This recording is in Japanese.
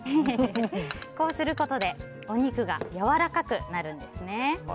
こうすることでお肉がやわらかくなるんですね。